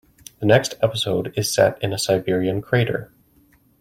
The next episode is set in a Siberian crater.